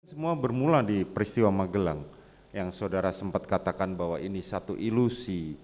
semua bermula di peristiwa magelang yang saudara sempat katakan bahwa ini satu ilusi